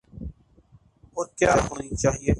اور کیا ہونی چاہیے۔